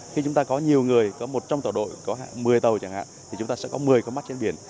khi chúng ta có nhiều người một trong tàu đội có một mươi tàu chẳng hạn chúng ta sẽ có một mươi con mắt trên biển